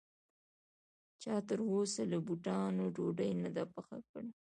چا تر اوسه له بوټانو ډوډۍ نه ده پخه کړې